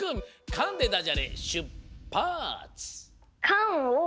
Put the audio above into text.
「カン」でダジャレしゅっぱつ！